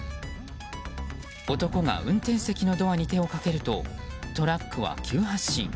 男が運転席のドアに手をかけるとトラックは急発進。